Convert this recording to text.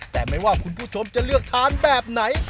แต่ไม่ว่าคุณผู้ชมจะเลือกทานแบบไหน